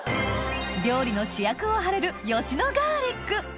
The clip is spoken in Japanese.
料理の主役を張れる吉野ガーリック